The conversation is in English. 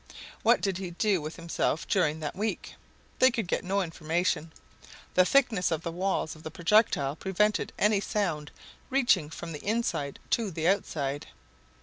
What did he do with himself during that week? They could get no information. The thickness of the walls of the projectile prevented any sound reaching from the inside to the outside.